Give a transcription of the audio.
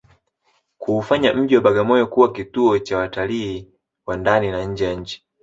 kuufanya mji wa Bagamoyo kuwa kituo cha watalii wa ndani na nje ya nchini